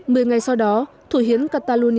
mười ngày sau đó thủ hiến catalonia